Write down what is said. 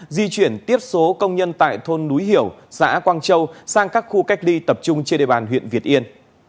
di chuyển tiếp số công nhân tại thôn núi hiểu xã quang châu sang các khu cách ly tập trung trên địa bàn huyện việt yên